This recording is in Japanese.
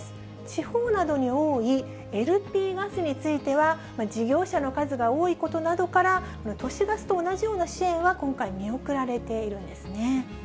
地方などに多いＬＰガスについては、事業者の数が多いことなどから、都市ガスと同じような支援は今回、見送られているんですね。